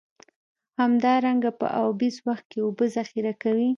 همدارنګه په اوبیز وخت کې اوبه ذخیره کوي.